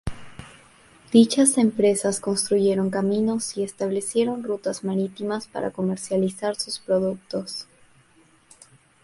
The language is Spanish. Dichas empresas construyeron caminos y establecieron rutas marítimas para comercializar sus productos.